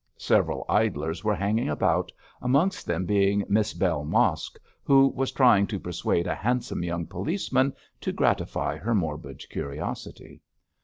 Several idlers were hanging about, amongst them being Miss Bell Mosk, who was trying to persuade a handsome young policeman to gratify her morbid curiosity.